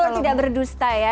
ungur tidak berdusta ya